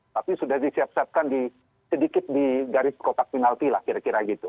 tapi sudah disiapkan sedikit di garis kotak penalti lah kira kira gitu